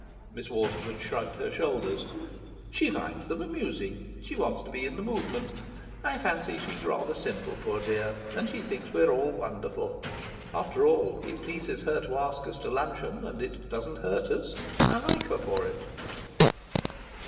Miss Waterford shrugged her shoulders. "She finds them amusing. She wants to be in the movement. I fancy she's rather simple, poor dear, and she thinks we're all wonderful. After all, it pleases her to ask us to luncheon, and it doesn't hurt us. I like her for it."